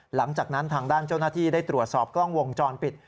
หลังจากนั้นทางด้านเจ้าหน้าที่ได้ตรวจสอบกล้องวงจรปิด